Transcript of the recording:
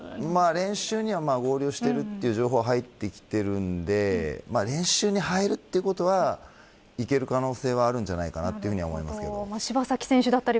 練習には合流していると情報は入ってきているので練習に入るということいける可能性があると思います。